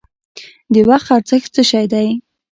د وخت ارزښت څه دی؟